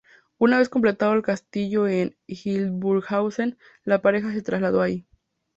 Una vez completado el Castillo en Hildburghausen, la pareja se trasladó ahí.